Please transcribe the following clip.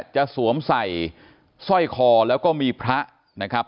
สวมใส่สร้อยคอแล้วก็มีพระนะครับ